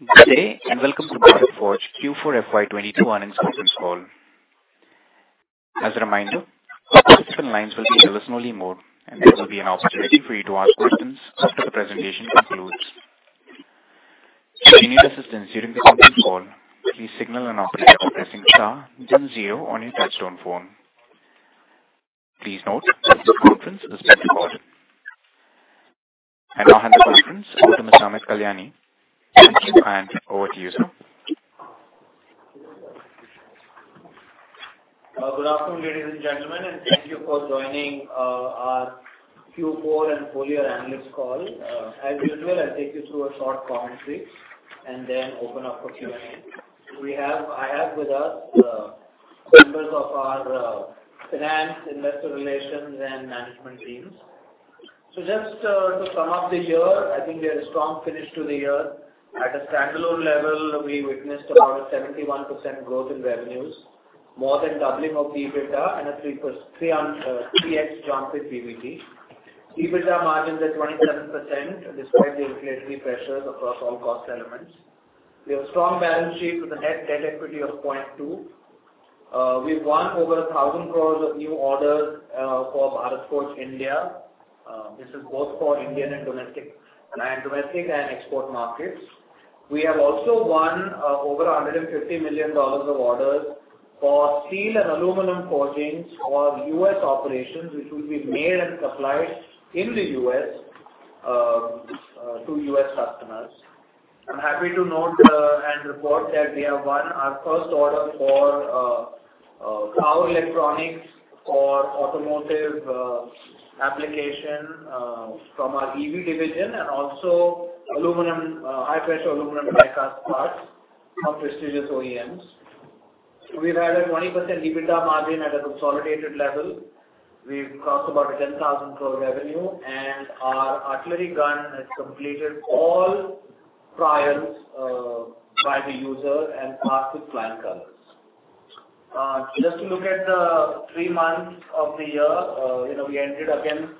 Good day, and welcome to Bharat Forge Q4 FY 2022 Earnings Conference Call. As a reminder, participants' lines will be in listen-only mode, and there will be an opportunity for you to ask questions after the presentation concludes. If you need assistance during the conference call, please signal an operator by pressing star then zero on your touch-tone phone. Please note that this conference is being recorded. I now hand the conference over to Mr. Amit Kalyani. Thank you, and over to you, sir. Good afternoon, ladies and gentlemen, and thank you for joining our Q4 and full year analyst call. As usual, I'll take you through a short commentary and then open up for Q&A. I have with us members of our finance, investor relations, and management teams. Just to sum up the year, I think we had a strong finish to the year. At a standalone level, we witnessed about a 71% growth in revenues, more than doubling of the EBITDA and a 3x jump in PBT. EBITDA margins at 27% despite the inflationary pressures across all cost elements. We have strong balance sheet with a net debt equity of 0.2. We've won over 1,000 crores of new orders for Bharat Forge India. This is both for Indian and domestic and export markets. We have also won over $150 million of orders for steel and aluminum forgings for U.S. operations, which will be made and supplied in the U.S. to U.S. customers. I'm happy to note and report that we have won our first order for power electronics for automotive application from our EV division and also aluminum high-pressure aluminum die-cast parts from prestigious OEMs. We've added 20% EBITDA margin at a consolidated level. We've crossed about 10,000 crore revenue, and our artillery gun has completed all trials by the user and passed with flying colors. Just to look at the three months of the year, you know, we ended again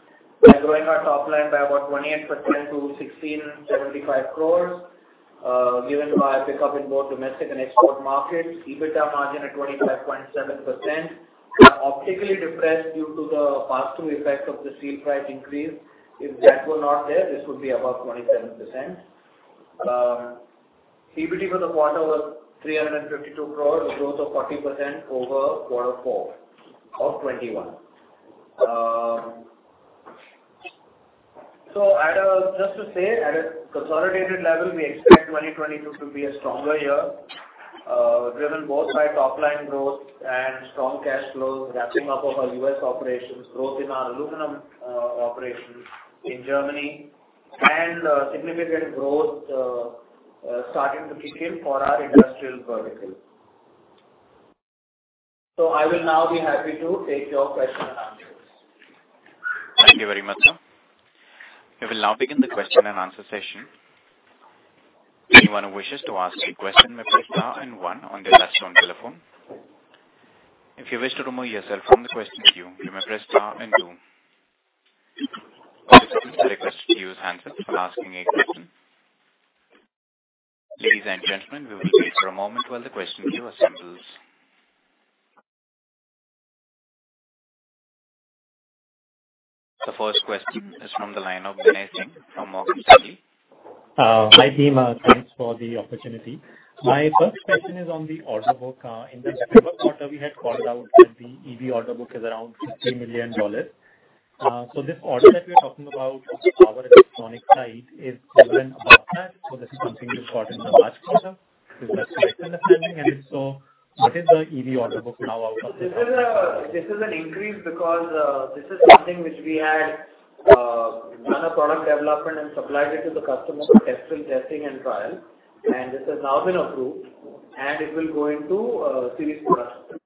by growing our top line by about 28% to 1,675 crore, given by a pickup in both domestic and export markets. EBITDA margin at 25.7%, optically depressed due to the pass-through effect of the steel price increase. If that were not there, this would be above 27%. PBT for the quarter was 352 crore, a growth of 40% over quarter four of 2021. At a consolidated level, we expect 2022 to be a stronger year, driven both by top line growth and strong cash flows, ramping up of our U.S. operations, growth in our aluminum operations in Germany and significant growth starting to kick in for our industrial vertical. I will now be happy to take your questions and answers. Thank you very much, sir. We will now begin the question and answer session. Anyone who wishes to ask a question may press star and one on their touchtone telephone. If you wish to remove yourself from the question queue, you may press star and two. Participants are requested to use handsets when asking a question. Ladies and gentlemen, we will wait for a moment while the question queue assembles. The first question is from the line of Binay Singh from Morgan Stanley. Hi, team. Thanks for the opportunity. My first question is on the order book. In the December quarter, we had called out that the EV order book is around $50 million. This order that we are talking about from the power electronics side is relevant to that. This is something we've got in the March quarter. With that understanding, what is the EV order book now out of this? This is an increase because this is something which we had done a product development and supplied it to the customer for testing and trial. This has now been approved, and it will go into series production.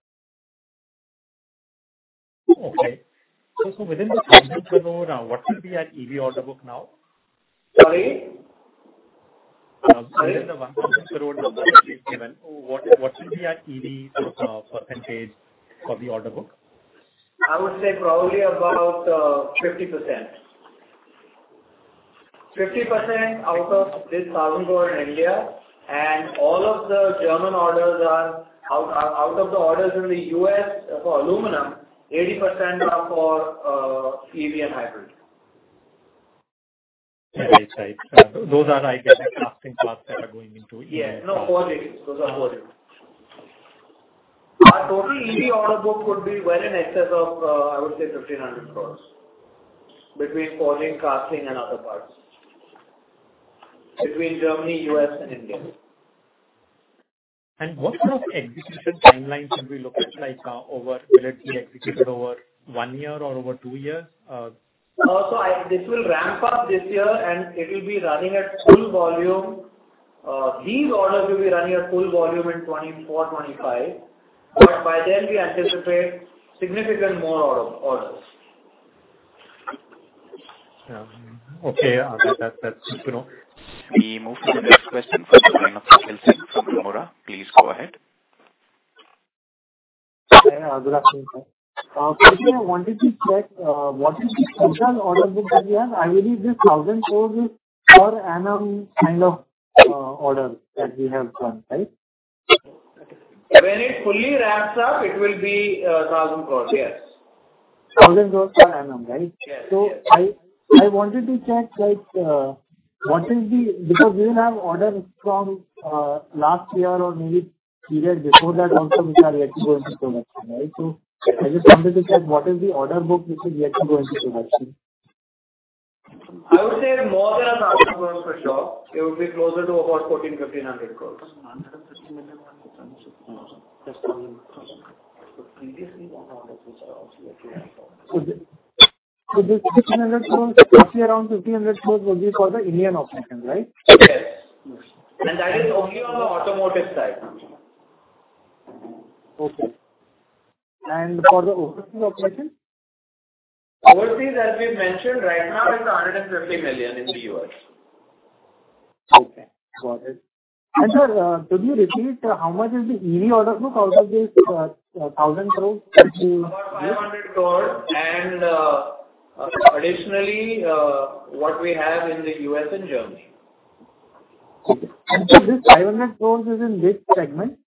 Within the auto, what should be our EV order book now? Sorry? Within the INR 100 crores number which you've given, what should be our EV percentage of the order book? I would say probably about 50%. 50% out of this 1,000 crore in India and all of the German orders are out of the orders in the U.S. for aluminum, 80% are for EV and hybrid. Right. Those are, I guess, casting parts that are going into. Yeah. No, forgings. Those are forgings. Our total EV order book would be well in excess of, I would say 1,500 crore between forging, casting, and other parts. Between Germany, U.S., and India. What kind of execution timeline should we look at, like, or will it be executed over one year or over two years? This will ramp up this year, and it'll be running at full volume. These orders will be running at full volume in 2024, 2025. By then we anticipate significant more orders. Yeah. Okay. That's good to know. We move to the next question from the line of [Hitesh Goel] from Nomura. Please go ahead. Yeah, good afternoon, sir. First I wanted to check what is the total order book that we have? I believe it's 1,000 crores per annum kind of order that we have done, right? When it fully ramps up, it will be 1,000 crores, yes. 1,000 crores per annum, right? Yes, yes. I wanted to check, like, what is the, because we will have orders from last year or maybe period before that also which are yet to go into production, right? I just wanted to check what is the order book which is yet to go into production. I would say more than I[NR 1,000 crores] for sure. It would be closer to about 1,400-1,500 crores. This 1,500 crore, roughly around 1,500 crore will be for the Indian operation, right? Yes. Yes. That is only on the automotive side. Okay. For the overseas operation? Overseas, as we've mentioned right now, is $150 million in the U.S. Okay, got it. Sir, could you repeat how much is the EV order book? Also this, 1,000 crore to- About 500 crore and additionally what we have in the U.S. and Germany. This 500 crore is in which segment?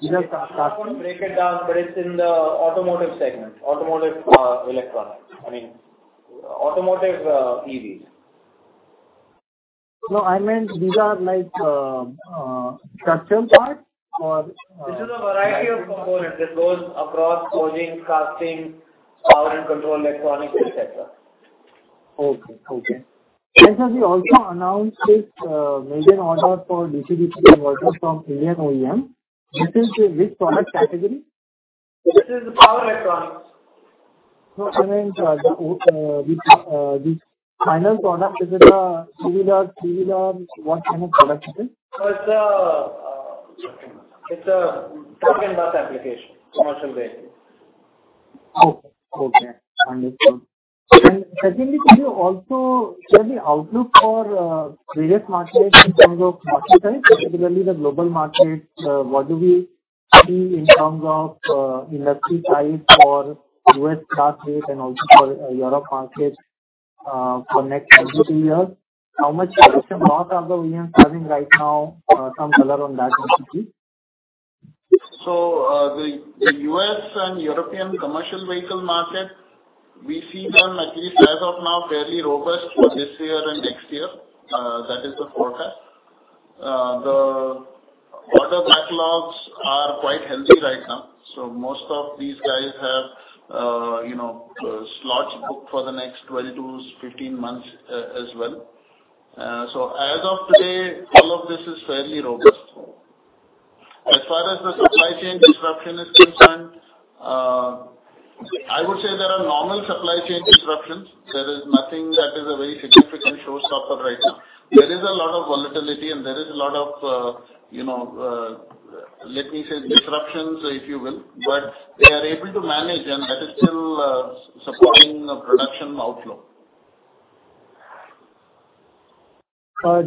I won't break it down, but it's in the automotive segment. Automotive, electronics. I mean, automotive, EVs. No, I meant these are like, structural parts or. This is a variety of components. It goes across forgings, casting, power and control electronics, et cetera. Okay, okay. Sir, we also announced this [million order] for DC-DC converter from Indian OEM. This is which product category? This is power electronics. No, I meant the final product. Is it a similar, what kind of product is it? No, it's a truck and bus application, commercial vehicle. Okay. Understood. Secondly, could you also share the outlook for various markets in terms of market size, particularly the global market? What do we see in terms of industry size for U.S. Class Eight and also for European market, for next two, three years? How much custom work are the OEMs having right now? Some color on that would be key. The U.S. and European commercial vehicle market, we see them at least as of now, fairly robust for this year and next year. That is the forecast. The order backlogs are quite healthy right now. Most of these guys have slots booked for the next 12-15 months, as well. As of today, all of this is fairly robust. As far as the supply chain disruption is concerned, I would say there are normal supply chain disruptions. There is nothing that is a very significant showstopper right now. There is a lot of volatility and there is a lot of, let me say, disruptions, if you will. They are able to manage and that is still supporting the production outflow.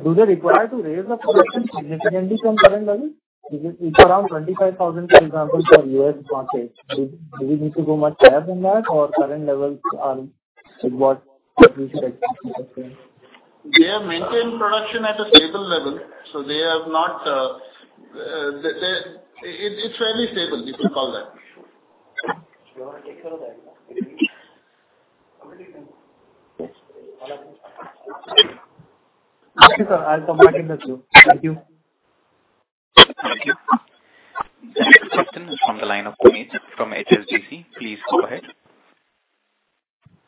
Do they require to raise the production significantly from current level? It's around 25,000, for example, for U.S. market. Do we need to go much higher than that or current levels are what we expect? They have maintained production at a stable level. It's fairly stable, you could call that. Okay, sir. I'll come back in the queue. Thank you. Thank you. The next question is from the line of Puneet from HSBC. Please go ahead.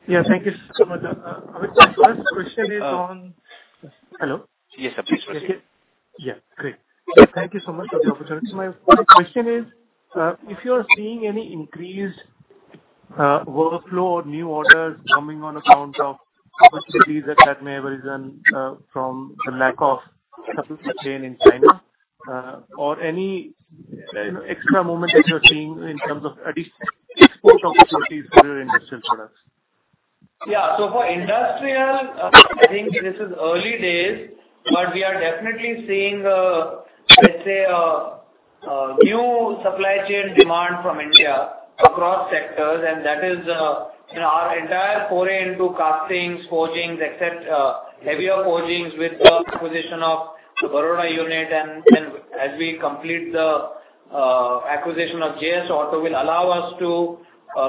Yeah, thank you so much. My first question is on- Hello? Yes, sir. Please proceed. Yeah, great. Thank you so much for the opportunity. My question is if you are seeing any increased workflow or new orders coming on account of opportunities that may have arisen from the lack of supply chain in China or any, you know, extra movement that you're seeing in terms of export opportunities for your industrial products. Yeah. For industrial, I think this is early days, but we are definitely seeing, let's say a new supply chain demand from India across sectors. That is, you know, our entire foray into castings, forgings, except heavier forgings with the acquisition of Baroda unit and as we complete the acquisition of JS Auto will allow us to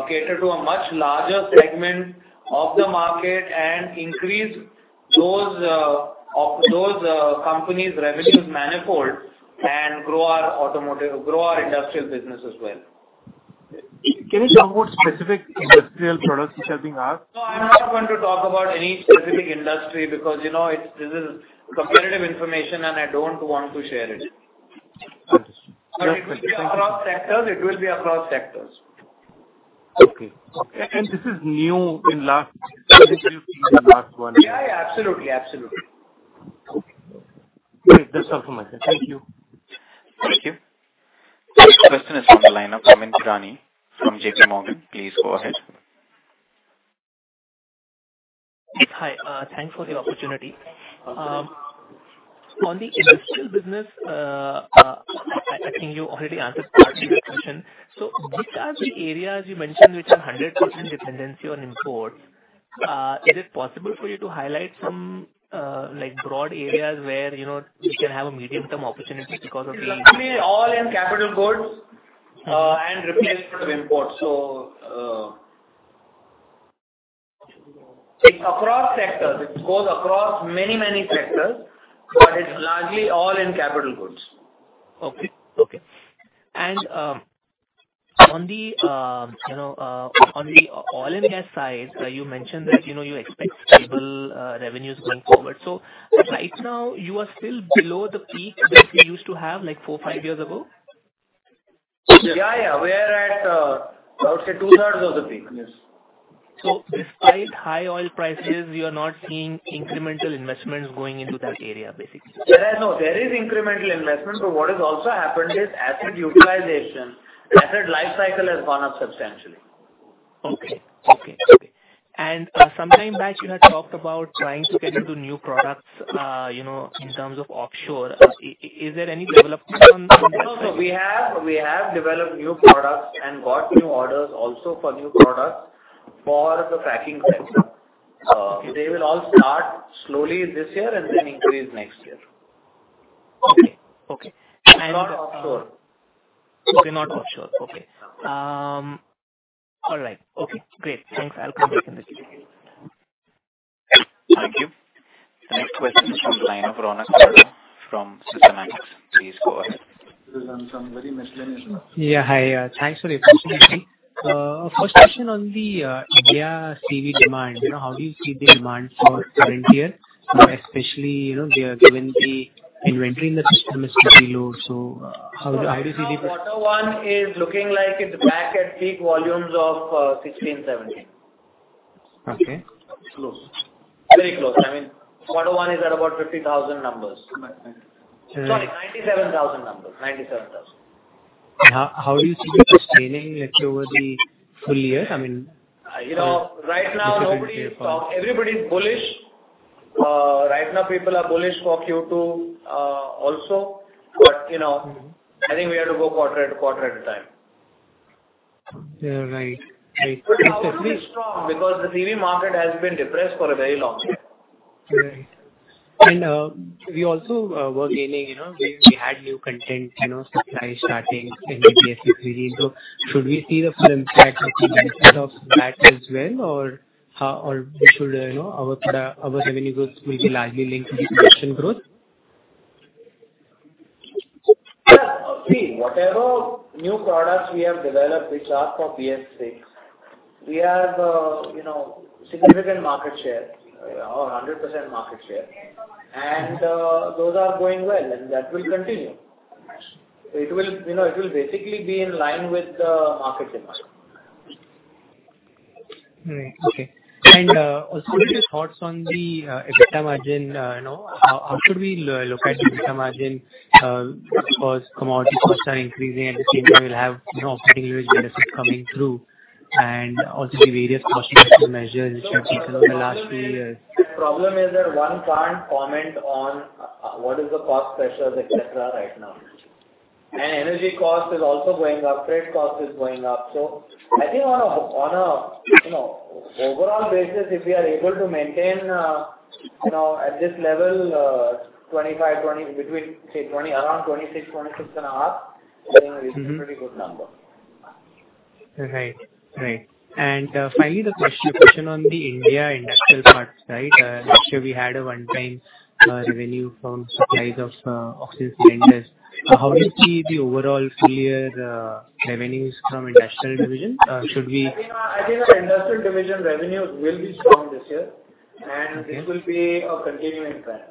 cater to a much larger segment of the market and increase those companies' revenues manifold and grow our automotive, grow our industrial business as well. Can you talk about specific industrial products which are being asked? No, I'm not going to talk about any specific industry because, you know, it's. This is competitive information and I don't want to share it. Understood. It will be across sectors. Okay. This is new in the last one year. Yeah, yeah. Absolutely. Absolutely. Okay. That's all from my side. Thank you. Thank you. Next question is from the line of Amyn Pirani from JPMorgan. Please go ahead. Hi, thanks for the opportunity. On the industrial business, I think you already answered partly the question. Which are the areas you mentioned which are 100% dependency on imports? Is it possible for you to highlight some, like broad areas where, you know, we can have a medium-term opportunity because of the- It's mainly all in capital goods, and replacement of imports. It's across sectors. It goes across many, many sectors, but it's largely all in capital goods. on the oil and gas side, you mentioned that, you know, you expect stable revenues going forward. Right now you are still below the peak that you used to have like four, five years ago? Yeah, yeah. We are at, I would say two-thirds of the peak. Yes. Despite high oil prices, you are not seeing incremental investments going into that area, basically. There is incremental investment, but what has also happened is asset utilization, asset life cycle has gone up substantially. Okay. Sometime back you had talked about trying to get into new products, you know, in terms of offshore. Is there any development on that side? No, we have developed new products and got new orders also for new products for the fracking sector. They will all start slowly this year and then increase next year. Okay. Not offshore. Okay, not offshore. Okay. All right. Okay, great. Thanks. I'll come back in the day. Thank you. The next question is from the line of Ronak Sarda from Systematix. Please go ahead. Yeah. Hi. Thanks for the opportunity. First question on the India CV demand. You know, how do you see the demand for current year? Especially, you know, given the inventory in the system is pretty low. How do you see the- Quarter one is looking like it's back at peak volumes of 16-17. Okay. Close. Very close. I mean, quarter one is at about 50,000 numbers. Right. Right. Sorry, 97,000 numbers. 97,000. How do you see this trending, like, over the full year? I mean You know, right now nobody... Everybody's bullish. Right now people are bullish for Q2, also. You know. Mm-hmm. I think we have to go quarter to quarter at a time. Yeah. Right. Right. It ought to be strong because the CV market has been depressed for a very long time. Right. We also were gaining, you know, we had new content, you know, supply starting in BS VI CV. Should we see the full impact of that as well? Or how? Or should you know our revenue growth will be largely linked to the production growth? See, whatever new products we have developed which are for BS VI, we have, you know, significant market share or 100% market share. Those are going well, and that will continue. Gotcha. It will, you know, it will basically be in line with the market demand. Right. Okay. also your thoughts on the EBITDA margin, you know, how should we look at the EBITDA margin, because commodity costs are increasing, at the same time we'll have, you know, operating leverage benefits coming through and also the various cost reduction measures you have taken over the last few years. The problem is that one can't comment on what the cost pressures et cetera right now. Energy cost is also going up. Freight cost is going up. I think on a, you know, overall basis, if we are able to maintain, you know, at this level between say 20% and around 26.5%. Mm-hmm. You know, it's a pretty good number. Right. Right. Finally the question on the India industrial parts side. Last year we had a one-time revenue from the supplies of oxygen cylinders. How do you see the overall full year revenues from industrial division? Should we- I think our industrial division revenues will be strong this year. Okay. This will be a continuing trend.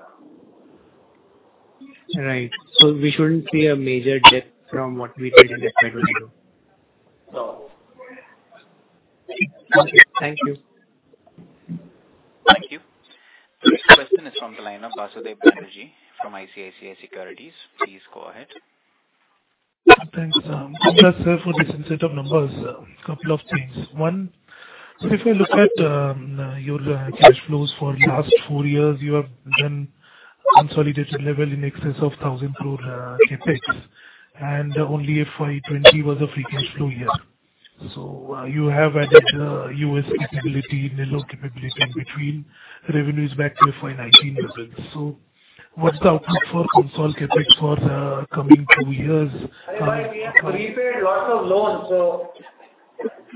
Right. We shouldn't see a major dip from what we did in the prior year. No. Okay. Thank you. Thank you. Next question is from the line of Basudeb Banerjee from ICICI Securities. Please go ahead. Thanks. Congrats, sir, for this set of numbers. Couple of things. One, if I look at your cash flows for last four years, you have done consolidated level in excess of 1,000 crore CapEx. Only FY 2020 was a free cash flow year. You have added U.S. capability, Nellore capability in between, revenues back to FY 2019 levels. What's the outlook for consolidated CapEx for the coming two years? We have repaid lots of loans.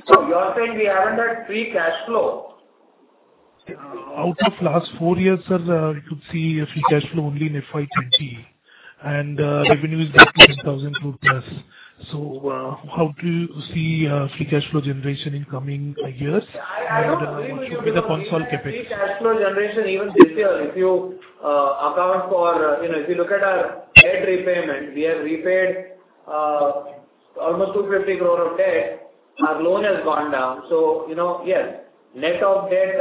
You are saying we haven't had free cash flow. Out of the last four years, sir, you could see a free cash flow only in FY 2020. Revenue is back to 10,000 crore +. How do you see free cash flow generation in coming years? I don't agree with you. Should be the consolidated CapEx. Free cash flow generation even this year, if you account for, you know, if you look at our debt repayment, we have repaid almost 250 crore of debt. Our loan has gone down. You know, yes, net of debt,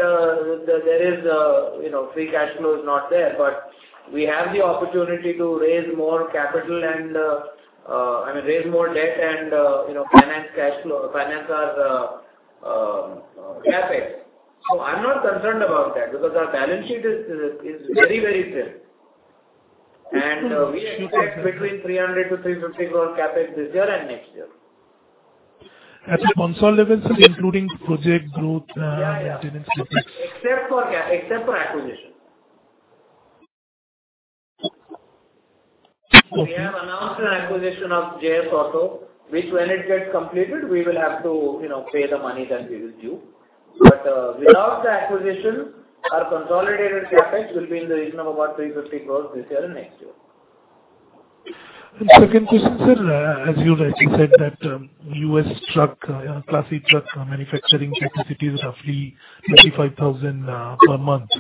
there is, you know, free cash flow is not there, but we have the opportunity to raise more capital and, I mean, raise more debt and, you know, finance cash flow or finance our CapEx. I'm not concerned about that because our balance sheet is very, very thin. We expect between 300 crore-350 crore CapEx this year and next year. At the consolidated level, sir, including project growth. Yeah, yeah. maintenance repairs. Except for acquisition. Okay. We have announced an acquisition of JS Autocast, which when it gets completed, we will have to, you know, pay the money that will be due. Without the acquisition, our consolidated CapEx will be in the region of about INR 350 crores this year and next year. Second question, sir. As you rightly said that U.S. Truck Class 8 truck manufacturing capacity is roughly 35,000 per month,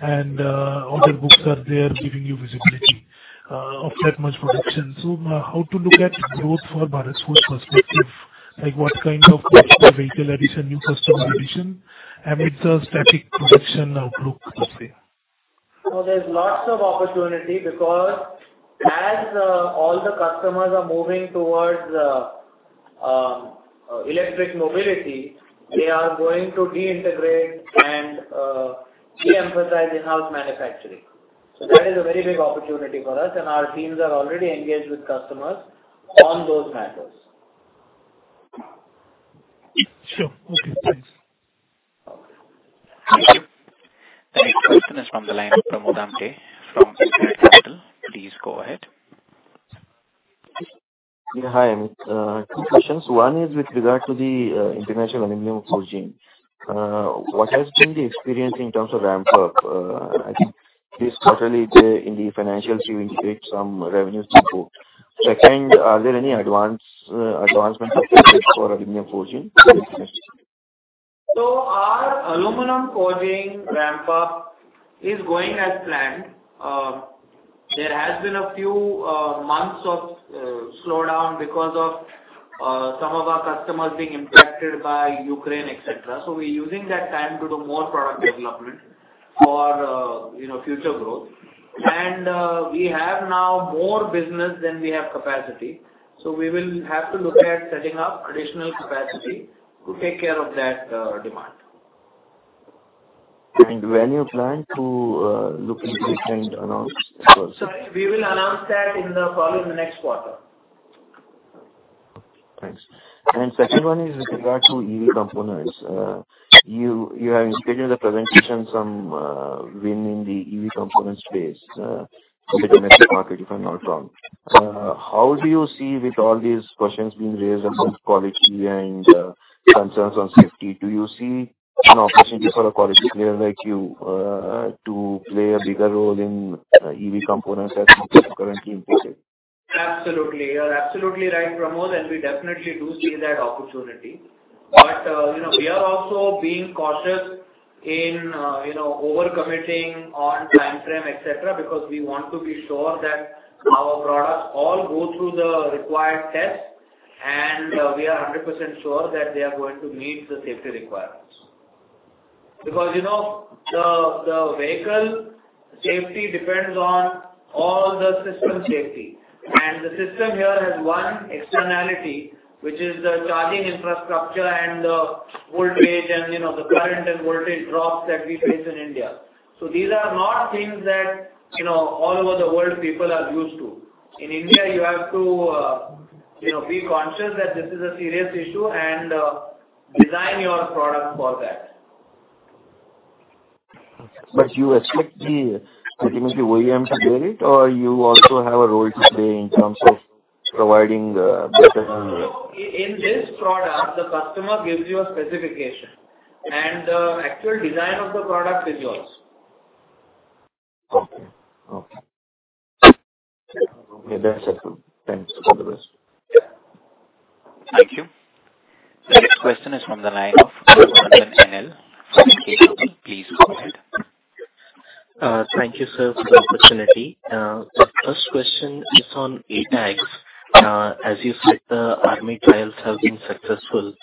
and order books are there giving you visibility of that much production. How to look at growth for Bharat Forge perspective? Like, what kind of customer vehicle addition, new customer addition amidst the static production outlook this year? There's lots of opportunity because as all the customers are moving towards electric mobility, they are going to reintegrate and de-emphasize in-house manufacturing. That is a very big opportunity for us, and our teams are already engaged with customers on those matters. Sure. Okay. Thanks. Thank you. The next question is from the line of Pramod Amthe from InCred Capital. Please go ahead. Yeah. Hi, Amit. Two questions. One is with regard to the international aluminum forging. What has been the experience in terms of ramp up? I think this quarter, in the financials, you indicate some revenues improve. Second, are there any advancements expected for aluminum forging? Our aluminum forging ramp up is going as planned. There has been a few months of slowdown because of some of our customers being impacted by Ukraine, et cetera. We're using that time to do more product development for you know, future growth. We have now more business than we have capacity, so we will have to look at setting up additional capacity to take care of that demand. When you plan to look into it and announce as well, sir? Sorry. We will announce that in the following next quarter. Thanks. Second one is with regard to EV components. You have stated in the presentation some win in the EV components space in the domestic market, if I'm not wrong. How do you see with all these questions being raised on quality and concerns on safety, do you see an opportunity for a quality player like you to play a bigger role in EV components as compared to currently in EVs? Absolutely. You're absolutely right, Pramod, and we definitely do see that opportunity. You know, we are also being cautious in, you know, over-committing on timeframe, et cetera, because we want to be sure that our products all go through the required tests, and we are 100% sure that they are going to meet the safety requirements. You know, the vehicle safety depends on all the system safety. The system here has one externality, which is the charging infrastructure and the voltage and, you know, the current and voltage drops that we face in India. These are not things that, you know, all over the world people are used to. In India, you have to, you know, be conscious that this is a serious issue and, design your product for that. You expect the ultimately OEM to bear it or you also have a role to play in terms of providing better than- In this product, the customer gives you a specification, and the actual design of the product is yours. Okay. Okay. Maybe that's it, sir. Thanks. All the best. Thank you. The next question is from the line of [Rohan Nagpal from HDFC. Please go ahead. Thank you, sir, for the opportunity. The first question is on ATAGS. As you said, the army trials have been successful.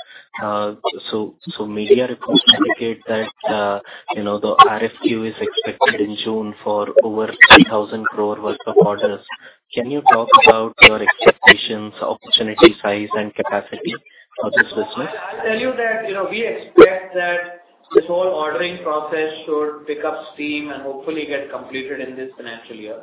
Media reports indicate that, you know, the RFQ is expected in June for over 3,000 crore worth of orders. Can you talk about your expectations, opportunity size and capacity for this business? I'll tell you that, you know, we expect that this whole ordering process should pick up steam and hopefully get completed in this financial year.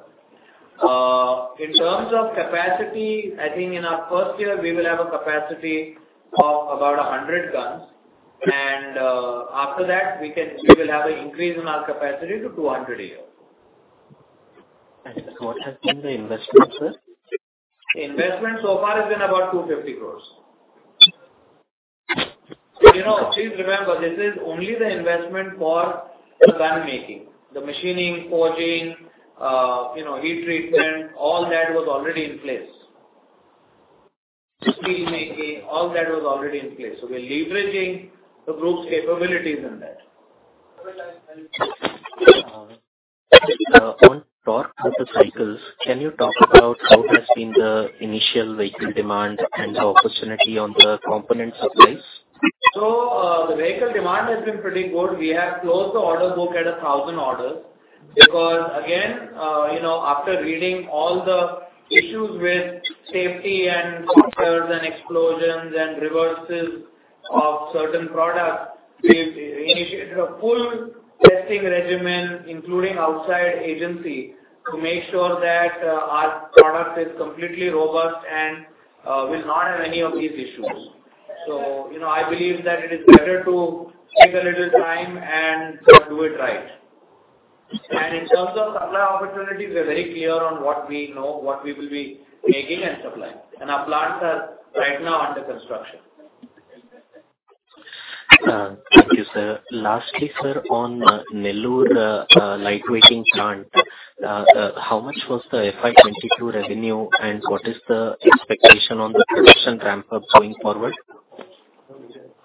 In terms of capacity, I think in our first year we will have a capacity of about 100 [guns], and after that we will have an increase in our capacity to 200 a year. What has been the investment, sir? Investment so far has been about 250 crore. You know, please remember, this is only the investment for the blank making. The machining, forging, you know, heat treatment, all that was already in place. Steel making, all that was already in place. We're leveraging the group's capabilities in that. Okay, thanks. On Tork Motorcycles, can you talk about how has been the initial vehicle demand and the opportunity on the component supplies? The vehicle demand has been pretty good. We have closed the order book at 1,000 orders because, again, you know, after reading all the issues with safety and fires and explosions and reverses of certain products, we initiated a full testing regimen, including outside agency, to make sure that, our product is completely robust and, will not have any of these issues. You know, I believe that it is better to take a little time and do it right. In terms of supply opportunities, we are very clear on what we know, what we will be making and supplying. Our plants are right now under construction. Thank you, sir. Lastly, sir, on Nellore, lightweighting plant, how much was the FY 2022 revenue, and what is the expectation on the production ramp up going forward?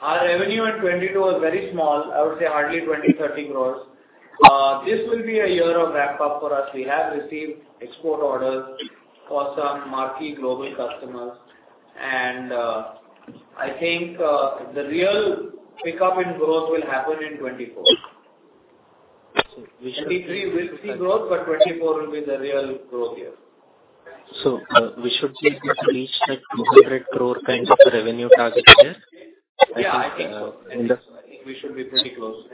Our revenue in 2022 was very small. I would say hardly 20-30 crore. This will be a year of ramp up for us. We have received export orders for some marquee global customers. I think the real pickup in growth will happen in 2024. So we should- 2023 we'll see growth, but 2024 will be the real growth year. We should see it reach, like, 200 crore kind of revenue target there? Yeah, I think so. And the- I think we should be pretty close.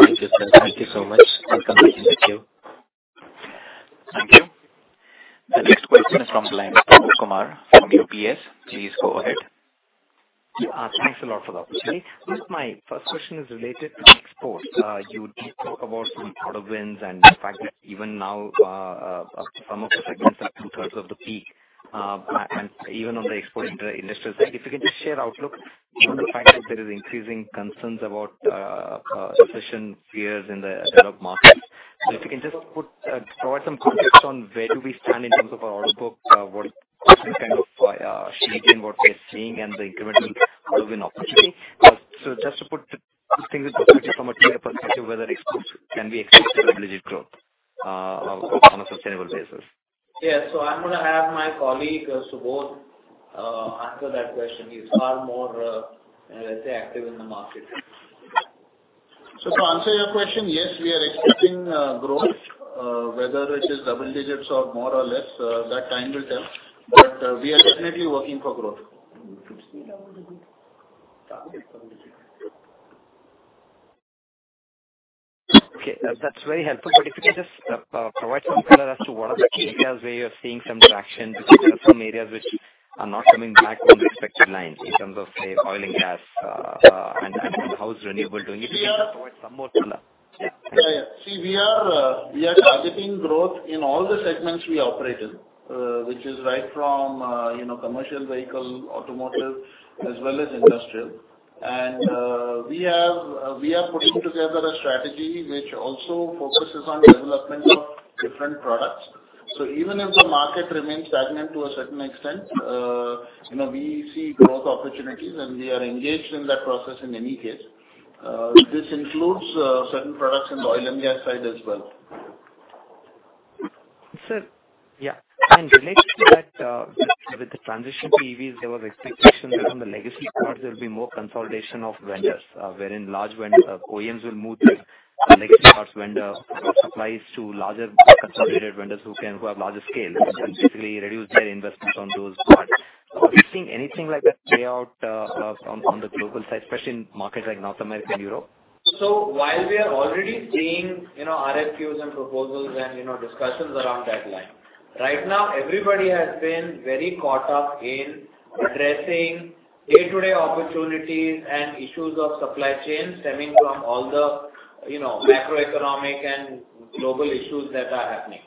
Thank you, sir. Thank you so much. Welcome back with you. Thank you. The next question is from Pramod Kumar from UBS. Please go ahead. Thanks a lot for the opportunity. Just my first question is related to exports. You did talk about some order wins and the fact that even now, some of the segments are two-thirds of the peak. And even on the export inter industrial side, if you can just share outlook on the fact that there is increasing concerns about recession fears in the developed markets. If you can just provide some context on where do we stand in terms of our order book, what kind of shape in what we are seeing and the incremental order win opportunity. Just to put things in perspective from a clear perspective whether exports can be expected double-digit growth on a sustainable basis. Yeah. I'm gonna have my colleague, Subodh, answer that question. He's far more, let's say, active in the market. To answer your question, yes, we are expecting growth, whether it is double digits or more or less, that time will tell. We are definitely working for growth. Okay, that's very helpful. If you can just provide some color as to what are the key areas where you are seeing some traction, particularly some areas which are not coming back on the expected lines in terms of, say, oil and gas. How is renewable doing? If you can just provide some more color. Yeah, yeah. See, we are targeting growth in all the segments we operate in, which is right from, you know, commercial vehicle, automotive, as well as industrial. We are putting together a strategy which also focuses on development of different products. Even if the market remains stagnant to a certain extent, you know, we see growth opportunities, and we are engaged in that process in any case. This includes certain products in the oil and gas side as well. Sir, yeah. Related to that, with the transition to EVs, there was expectation that on the legacy parts there will be more consolidation of vendors, wherein large OEMs will move their legacy parts vendor supplies to larger consolidated vendors who have larger scale and basically reduce their investments on those parts. Are you seeing anything like that play out, on the global side, especially in markets like North America and Europe? While we are already seeing, you know, RFQs and proposals and, you know, discussions around that line. Right now everybody has been very caught up in addressing day-to-day opportunities and issues of supply chain stemming from all the, you know, macroeconomic and global issues that are happening.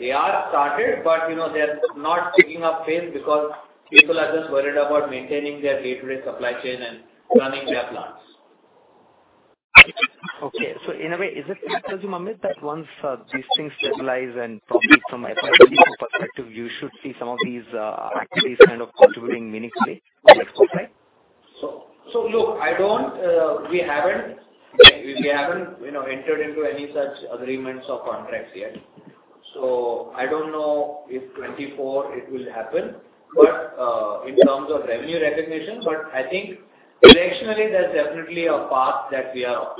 They are started, but you know, they're not picking up pace because people are just worried about maintaining their day-to-day supply chain and running their plants. Okay. In a way, is it fair to tell you, Amit, that once these things stabilize and probably from a perspective, you should see some of these activities kind of contributing meaningfully to the top line? Look, we haven't you know entered into any such agreements or contracts yet, so I don't know if 2024 it will happen. In terms of revenue recognition, I think directionally there's definitely a path that we are on.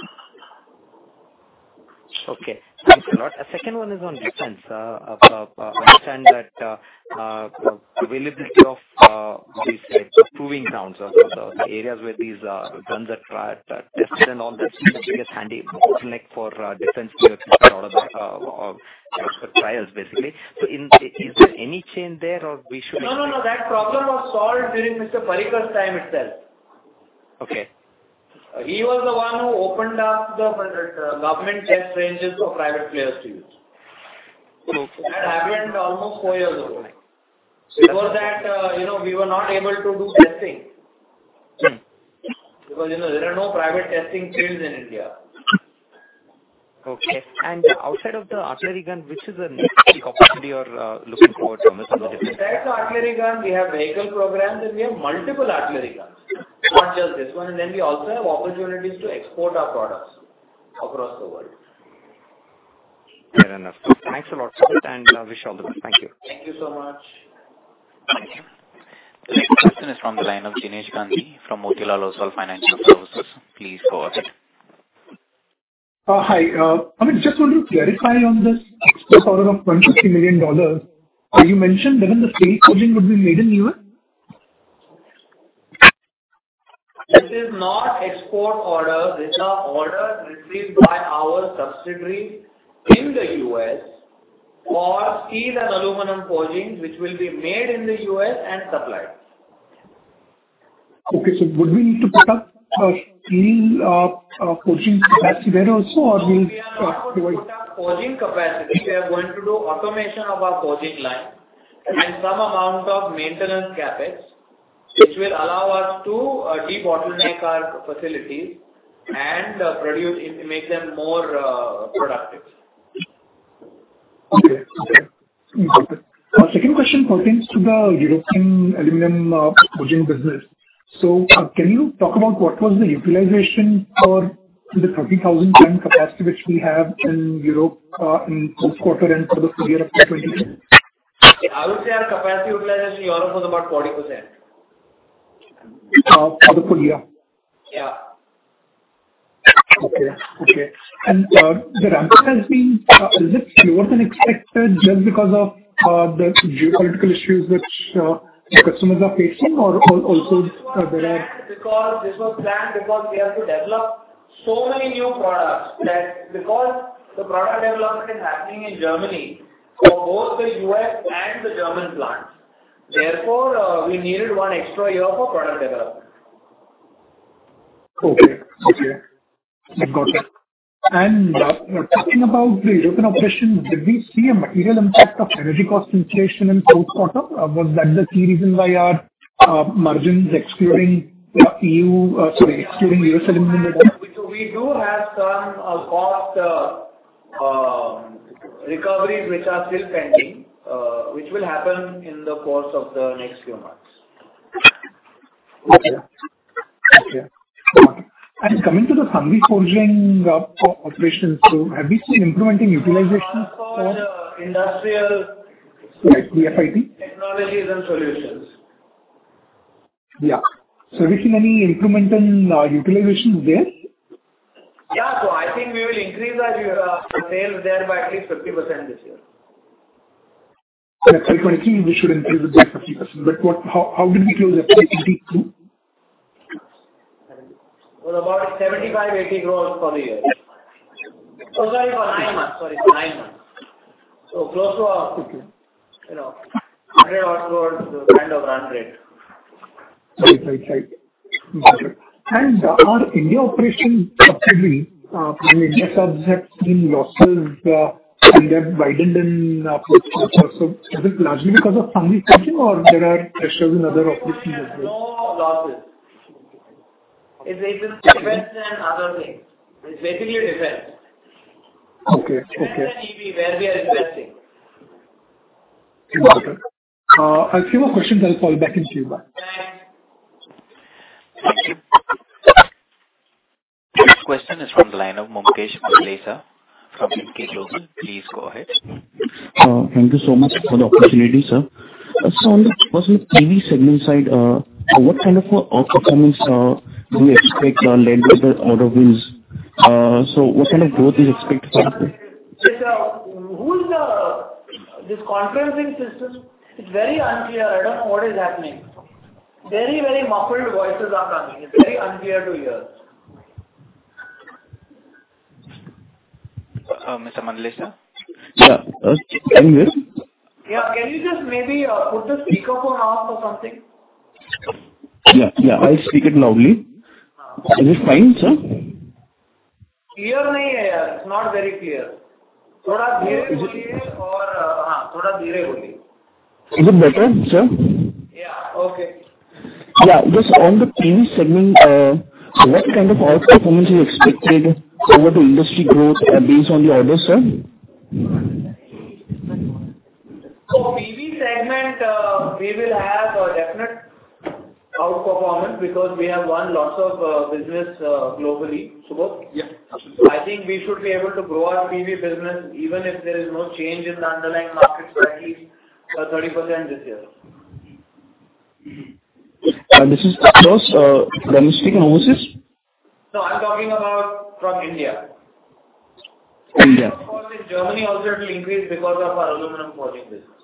Okay. Thanks a lot. A second one is on defense. I understand that availability of these like proving grounds or the areas where these guns are tried, are tested and all that, seems to be a handy bottleneck for defense players to do a lot of the trials basically. Is there any change there or we should- No, no. That problem was solved during Mr. Parrikar's time itself. Okay. He was the one who opened up the government test ranges for private players to use. Okay. That happened almost four years ago. Before that, you know, we were not able to do testing. Mm-hmm. Because, you know, there are no private testing fields in India. Okay. Outside of the artillery gun, which is the next capacity you're looking forward from this or the different- Besides the artillery gun, we have vehicle programs, and we have multiple artillery guns, not just this one. We also have opportunities to export our products across the world. Fair enough. Thanks a lot, sir, and I wish you all the best. Thank you. Thank you so much. Thank you. The next question is from the line of Jinesh Gandhi from Motilal Oswal Financial Services. Please go ahead. I mean, just want to clarify on this export order of $22 million. You mentioned even the steel forging would be made in U.S.? This is not export order. These are orders received by our subsidiary in the U.S. for steel and aluminum forgings, which will be made in the U.S. and supplied. Okay. Would we need to put up a steel forging capacity there also, or we'll- No, we are not going to put up forging capacity. We are going to do automation of our forging line and some amount of maintenance CapEx, which will allow us to debottleneck our facilities and produce and make them more productive. Got it. Second question pertains to the European aluminum forging business. Can you talk about what was the utilization for the 30,000-ton capacity which we have in Europe, in fourth quarter and for the full year of 2022? I would say our capacity utilization in Europe was about 40%. for the full year? Yeah. Okay. The ramp up has been, is it slower than expected just because of the geopolitical issues which your customers are facing or also there are- This was planned because we have to develop so many new products that because the product development is happening in Germany for both the U.S. and the German plants, therefore, we needed one extra year for product development. Okay. Got it. Talking about the European operations, did we see a material impact of energy cost inflation in fourth quarter? Was that the key reason why our margins excluding EU, sorry, excluding U.S. aluminum- We do have some cost recoveries which are still pending, which will happen in the course of the next few months. Coming to the Sanghvi Forging operations, so have you seen incremental utilization for- Sanghvi for industrial. Sorry, BFIT. Technology and Solutions. Yeah. We've seen any incremental utilization there? Yeah. I think we will increase our sales there by at least 50% this year. In FY 2023, we should increase it by 50%. How did we close FY 2022? It was about 75-80 crore for the year. Oh, sorry, for nine months. Close to, Okay. You know, INR 100-odd crores, around 100. Right. Got it. Our India operations subsidiary due to interest and forex losses and they've widened in fourth quarter. Is it largely because of Sanghvi Forging or there are pressures in other operations as well? No losses. Okay. It's defense and other things. It's basically defense. Okay. Defense and EV, where we are investing. Got it. I have few more questions. I'll call back and see you. Bye. Bye. Next question is from the line of Mumuksh Mandlesha from Emkay Global. Please go ahead. Thank you so much for the opportunity, sir. On the personal PV segment side, what kind of outperformance do you expect led by the order wins? What kind of growth is expected from this? This conferencing system is very unclear. I don't know what is happening. Very muffled voices are coming. It's very unclear to hear. Mr. Mandlesha? Yeah. Can you hear me? Yeah. Can you just maybe, put the speakerphone off or something? Yeah. I'll speak it loudly. Uh. Is it fine, sir? Clear nahi hai yaar. It's not very clear. Thoda dheere boliye. Haan, thoda dheere boliye. Is it better, sir? Yeah. Okay. Yeah. Just on the PV segment, what kind of outperformance you expected over the industry growth, based on the orders, sir? PV segment, we will have a definite outperformance because we have won lots of business globally, Subodh. Yeah. Absolutely. I think we should be able to grow our PV business, even if there is no change in the underlying market by at least 30% this year. This is across domestic and overseas? No, I'm talking about from India. India. Of course, in Germany also it will increase because of our aluminum forging business.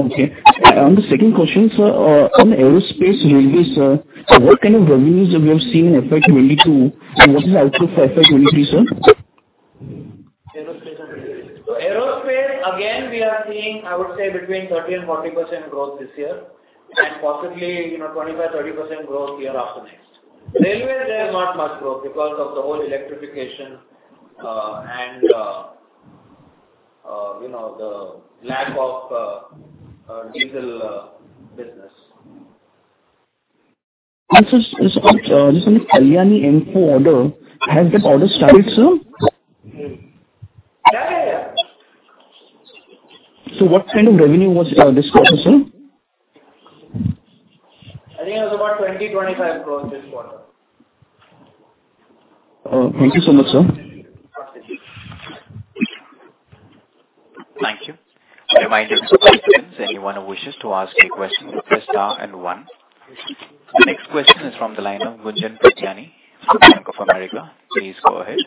Okay. The second question, sir, on aerospace revenues, sir, what kind of revenues we have seen in FY 2022, and what is the outlook for FY 2023, sir? Aerospace and railways. Aerospace, again, we are seeing, I would say between 30% and 40% growth this year, and possibly, you know, 25%-30% growth year after next. Railway, there is not much growth because of the whole electrification, you know, the lack of diesel business. Just about this Kalyani M4 order, has that order started, sir? Yeah, yeah. What kind of revenue was this quarter, sir? I think it was about 20-25 crore this quarter. Oh, thank you so much, sir. Thank you. A reminder to participants, anyone who wishes to ask a question, press star and one. Next question is from the line of Gunjan Prithyani from Bank of America. Please go ahead.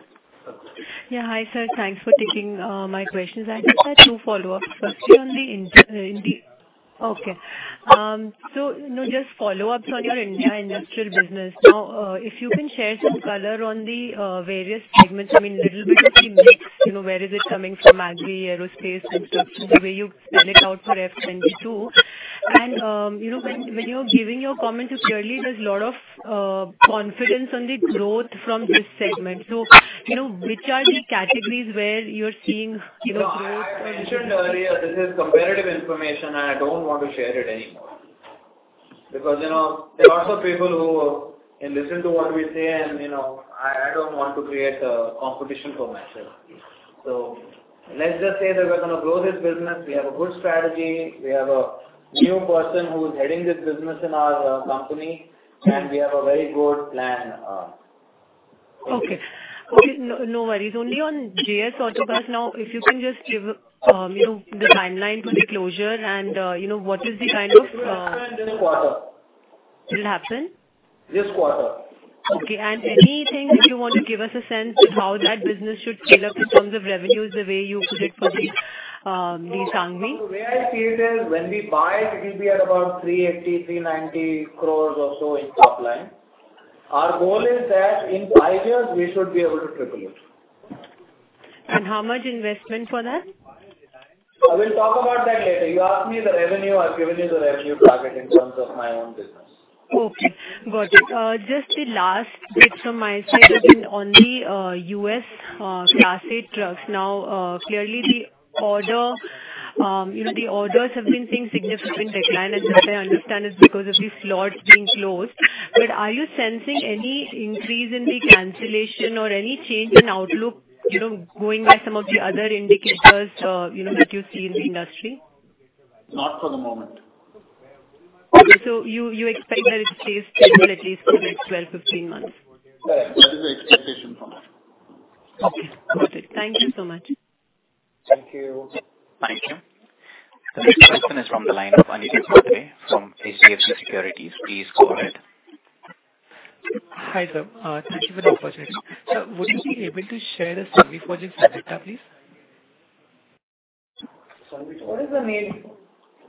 Yeah. Hi, sir. Thanks for taking my questions. I just had two follow-ups. Firstly on the India industrial business. Just follow-ups on your India industrial business. Now, if you can share some color on the various segments, I mean, little bit of the mix, you know, where is it coming from, agri, aerospace, infrastructure, the way you spell it out for FY 2022. You know, when you're giving your comments, so clearly there's a lot of confidence on the growth from this segment. You know, which are the categories where you're seeing, you know, growth. No, I mentioned earlier, this is competitive information, and I don't want to share it anymore. Because, you know, there are lots of people who can listen to what we say and, you know, I don't want to create a competition for myself. Let's just say that we're gonna grow this business. We have a good strategy. We have a new person who is heading this business in our company, and we have a very good plan. Okay. No worries. Only on JS Autocast now, if you can just give, you know, the timeline for the closure and, you know, what is the kind of. It will happen this quarter. It'll happen? This quarter. Okay. Anything, if you want to give us a sense how that business should scale up in terms of revenues the way you put it for the Sanghvi? The way I see it is when we buy it'll be at about 380-390 crores or so in top line. Our goal is that in five years we should be able to triple it. How much investment for that? We'll talk about that later. You asked me the revenue. I've given you the revenue target in terms of my own business. Okay, got it. Just the last bit from my side has been on the U.S. Class Eight trucks. Now, clearly the order, you know, the orders have been seeing significant decline, and as I understand it's because of the slots being closed. But are you sensing any increase in the cancellation or any change in outlook, you know, going by some of the other indicators, you know, that you see in the industry? Not for the moment. Okay. You expect that it stays stable at least for the next 12, 15 months? Correct. That is the expectation from us. Okay, got it. Thank you so much. Thank you. Thank you. The next question is from the line of Aniket Mhatre from HDFC Securities. Please go ahead. Hi, sir. Thank you for the opportunity. Sir, would you be able to share the Sanghvi Forgings data, please? Sanghvi Forgings? What is the name?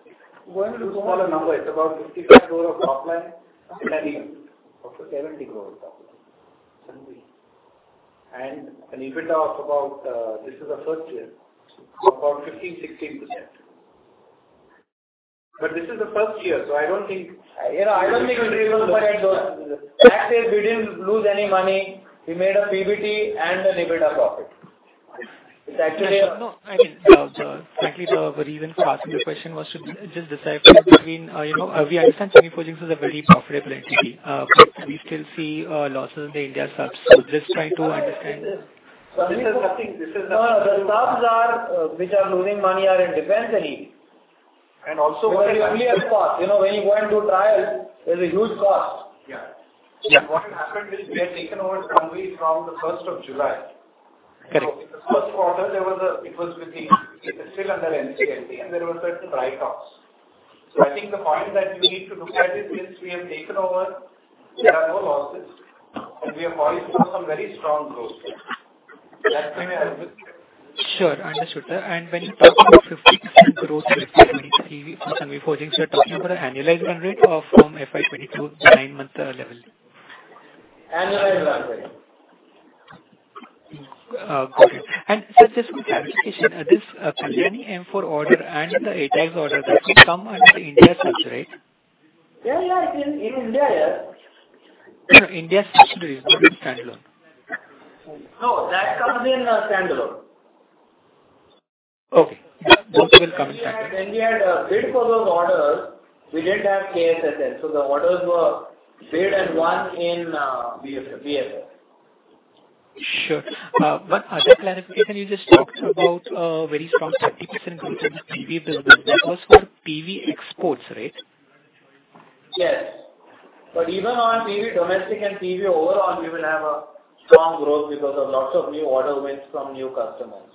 It's a small number. It's about 55 crore of top line. Okay. INR 70 crore top line. Seventy? An EBITDA of about, this is the first year, about 15-16%. This is the first year, so I don't think. You know, I don't think we'll reveal the numbers. Actually, we didn't lose any money. We made a PBT and an EBITDA profit. It's actually a. No, I mean, frankly, sir, the reason for asking the question was to just decipher between, you know, we understand Sanghvi Forgings is a very profitable entity. But we still see losses in the India subs, so just trying to understand. This is nothing. This is nothing. No, the subs, which are losing money, are in defense and EV. And also- You have costs. You know, when you go and do trial, there's a huge cost. Yeah. Yeah. What has happened is we had taken over Sanghvi from the 1st of July. Correct. In the first quarter it was within, it was still under NCLT, and there were certain write-offs. I think the point that you need to look at is we have taken over, there are no losses, and we are poised for some very strong growth. That's been our. Sure, understood, sir. When you're talking about 50% growth for FY 2023 for Sanghvi Forging, you're talking about an annualized number or from FY 2022, the nine-month level? Annualized number. Got it. Sir, just for clarification, this Kalyani M4 order and the ATAGS order, that will come under the India subs, right? Yeah, yeah. It's in India, yeah. No, India subs is not in standalone. No, that comes in, standalone. Okay. Both of them come in standalone. When we had bid for those orders, we didn't have KSS then, so the orders were bid and won in BFL. Sure. One other clarification. You just talked about very strong 50% growth in the PV business. That was for PV exports, right? Yes. Even on PV domestic and PV overall, we will have a strong growth because of lots of new order wins from new customers.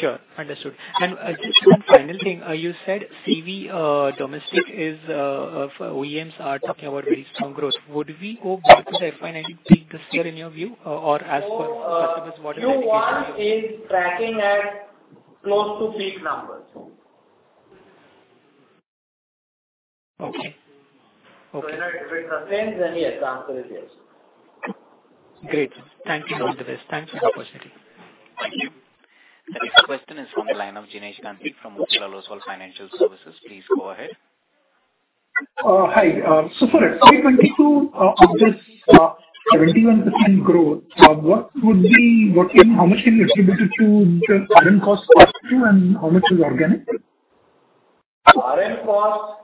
Sure, understood. Just one final thing. You said CV domestic is for OEMs are talking about very strong growth. Would we go back to the FY 2019-2023 cluster in your view, or as per customers' orders that you get? Q1 is tracking at close to peak numbers. Okay. If it sustains, then yes, the answer is yes. Great. Thank you, sir. Thanks for the opportunity. Thank you. The next question is from the line of Jinesh Gandhi from Motilal Oswal Financial Services. Please go ahead. For FY 2022 of this 21% growth, how much can you attribute it to current cost structure and how much is organic? Well,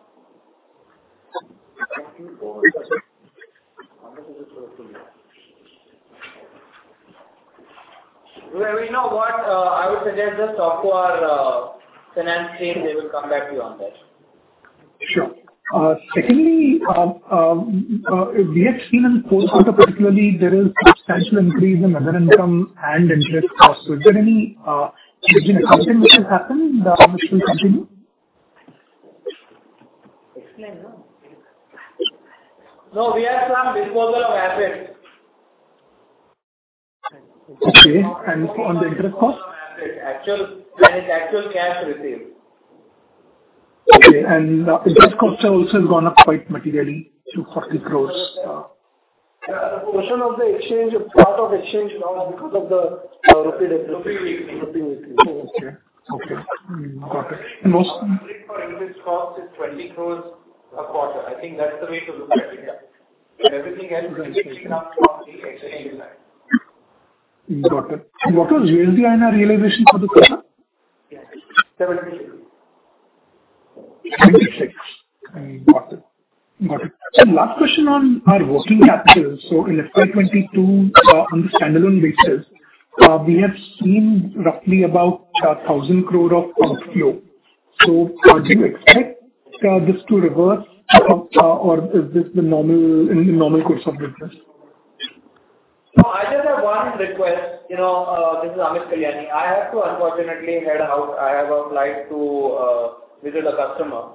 you know what? I would suggest just talk to our finance team. They will come back to you on that. Sure. Secondly, we have seen in quarter particularly, there is substantial increase in other income and interest costs. Is there any significant something which has happened, which will continue? Explain, no? No, we have some disposal of assets. Okay. On the interest cost? Actual, like actual cash received. Okay. Interest cost also has gone up quite materially to 40 crore. Question of the exchange, part of exchange now is because of the rupee appreciation. Rupee. Okay. Got it. Most- Interest cost is INR 20 crore a quarter. I think that's the way to look at it, yeah. Everything else is coming from the exchange impact. Got it. What was the INR realization for this quarter? Yeah. 76. 76. I got it. Last question on our working capital. In FY 2022, on the standalone basis, we have seen roughly about 1,000 crore of outflow. Do you expect this to reverse or is this normal in the normal course of business? No, I just have one request. You know, this is Amit Kalyani. I have to unfortunately head out. I have a flight to visit a customer.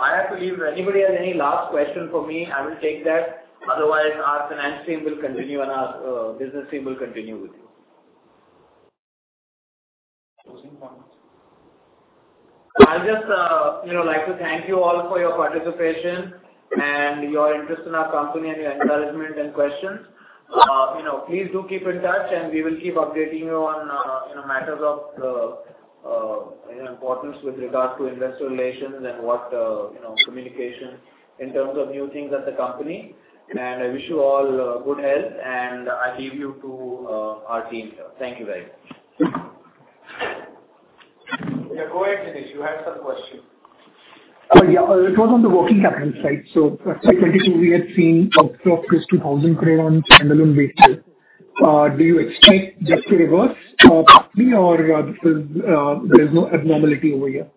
I have to leave. Anybody has any last question for me, I will take that. Otherwise, our finance team will continue and our business team will continue with you. Closing comments. I'll just, you know, like to thank you all for your participation and your interest in our company and your encouragement and questions. You know, please do keep in touch, and we will keep updating you on, you know, matters of, you know, importance with regards to investor relations and what, you know, communication in terms of new things at the company. I wish you all good health, and I leave you to our team here. Thank you very much. Yeah, go ahead, Jinesh. You had some question. Yeah. It was on the working capital side. FY 2022, we had seen outflow close to 1,000 crore on standalone basis. Do you expect this to reverse, or is there no abnormality over here?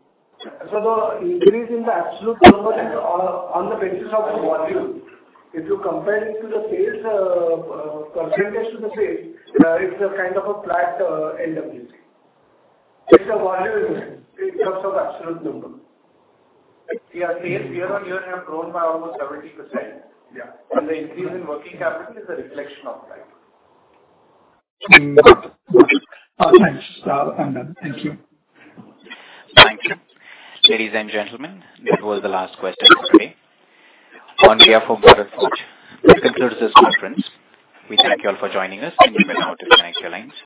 The increase in the absolute number is on the basis of the volume. If you compare it to the sales, percentage to the sales, it's a kind of a flat [NWC]. It's the volume, in terms of absolute number. Our sales year-on-year have grown by almost 70%. Yeah. The increase in working capital is a reflection of that. Got it. Thanks. I'm done. Thank you. Thank you. Ladies and gentlemen, that was the last question for today. On behalf of Bharat Forge, this concludes this conference. We thank you all for joining us. You may now disconnect your lines.